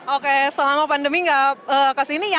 oke selama pandemi nggak kesini ya